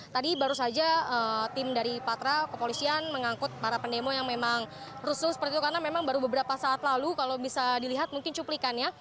tadi baru saja tim dari patra kepolisian mengangkut para pendemo yang memang rusuh seperti itu karena memang baru beberapa saat lalu kalau bisa dilihat mungkin cuplikannya